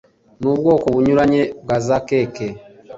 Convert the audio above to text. n’ubwoko bunyuranye bwa za keke